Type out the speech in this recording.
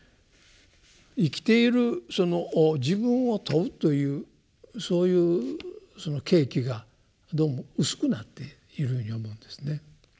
生きているその自分を問うというそういう契機がどうも薄くなっているように思うんですね。